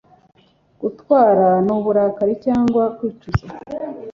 gutwarwa n'uburakari cyangwa kwicuza